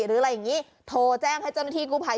หรืออะไรอย่างนี้โทรแจ้งให้เจ้าหน้าที่กู้ภัย